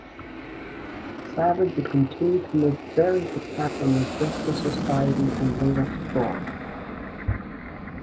Savage would continue to make various attacks on the Justice Society in later stories.